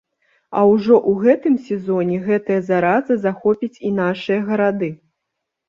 А ўжо ў гэтым сезоне гэтая зараза захопіць і нашыя гарады.